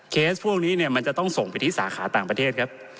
เคสพวกนี้มันจะต้องส่งไปที่สาขาต่างประเทศครับ